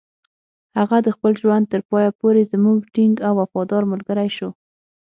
هغه د خپل ژوند تر پایه پورې زموږ ټینګ او وفادار ملګری شو.